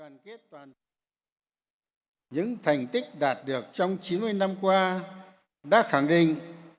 những thành tích đạt được trong chín mươi năm qua đã khẳng định